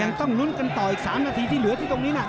ยังต้องลุ้นกันต่ออีก๓นาทีที่เหลือที่ตรงนี้นะ